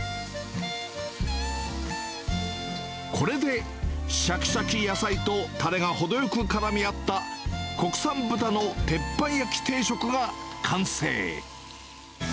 これで、しゃきしゃき野菜とたれが程よくからみ合った、国産豚の鉄板焼き定食が完成。